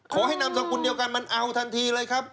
นามสกุลเดียวกันมันเอาทันทีเลยครับ